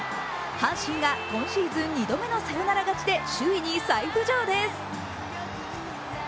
阪神が今シーズン２度目のサヨナラ勝ちで首位に再浮上です。